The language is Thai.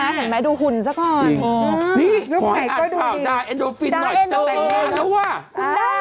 เห็นไหมดูหุ่นซะก่อนนี่ขอให้อ่านข่าวด่าเอ็นโดฟินหน่อยจะแต่งงานแล้วว่ะ